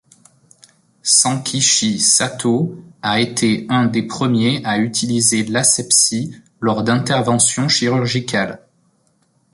Sankichi Satō a été un des premiers à utiliser l'asepsie lors d’interventions chirurgicales.